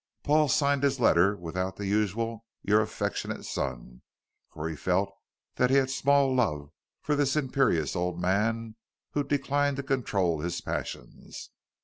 Paul signed his letter without the usual "your affectionate son," for he felt that he had small love for this imperious old man who declined to control his passions.